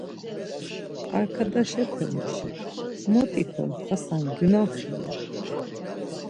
Arkadaşepemuşik ‘mot ikom Xasan gyunaxi ren.